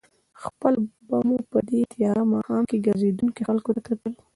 خپله به مو په دې تېاره ماښام کې ګرځېدونکو خلکو ته کتل.